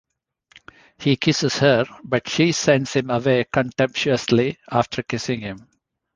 He kisses her, but she sends him away contemptuously after kissing him.